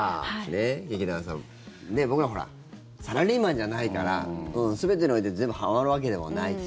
劇団さん、僕らサラリーマンじゃないから全てにおいて全部はまるわけでもないし。